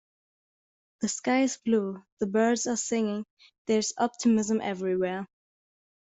The sky is blue, the birds are singing, there is optimism everywhere.